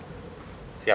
siapa yang kondisinya